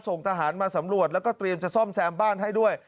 ส่งทหารมาสำรวจแล้วก็เตรียมจะซ่อมแซมบ้านให้ด้วย